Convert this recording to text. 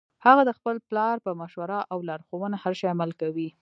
هغه د خپل پلار په مشوره او لارښوونه هر شي عمل کوي